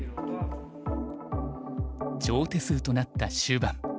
長手数となった終盤。